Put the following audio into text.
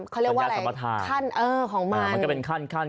เขาเรียกว่าอะไรขั้นของมันมันก็เป็นขั้น